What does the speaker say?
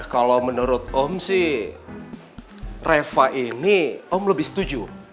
kalau menurut om sih reva ini om lebih setuju